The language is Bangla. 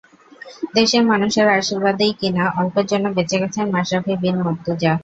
দেশের মানুষের আশীর্বাদেই কিনা, অল্পের জন্য বেঁচে গেছেন মাশরাফি বিন মুর্তজা।